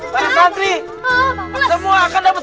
para santri semua akan dapat